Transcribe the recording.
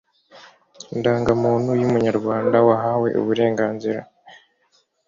ndangamuntu y'Umunyarwanda wahawe uburenganzira